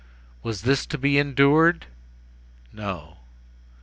Was this to be endured? No.